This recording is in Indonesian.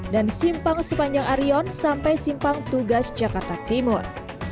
dan simpang sepanjang arion sampai simpang tugas jakarta timur